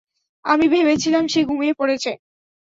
আমি ভেবেছিলাম, সে ঘুমিয়ে পড়েছে!